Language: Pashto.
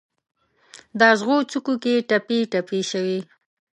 د اغزو څوکو کې ټپي، ټپي شوي